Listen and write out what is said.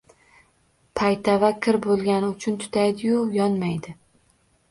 Paytava kir bo’lgani uchun tutaydi-yu, yonmaydi.